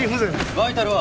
バイタルは？